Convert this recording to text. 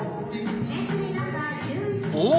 おっ！